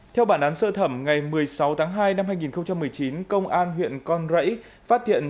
theo bản án sơ thẩm ngày một mươi sáu tháng hai năm hai nghìn một mươi chín công an huyện con rẫy phát hiện